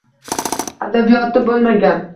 Adabiyoti boʻlmagan